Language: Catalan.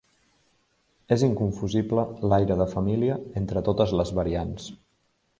És inconfusible l'aire de família entre totes les variants.